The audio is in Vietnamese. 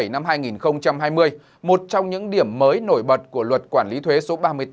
năm hai nghìn hai mươi một trong những điểm mới nổi bật của luật quản lý thuế số ba mươi tám